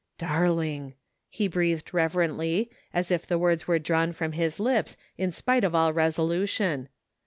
"Darling! " he breathed reverently, as if the words were drawn from his lips in spite of all resolution.